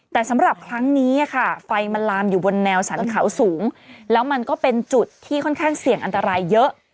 แต่สำหรับครั้งนี้ค่ะไฟมันลามอยู่บนแนวสรรเขาสูงแล้วมันก็เป็นจุดที่ค่อนข้างเสี่ยงอันตรายเยอะ